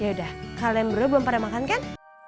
yaudah kalian berubah mau pada makan kan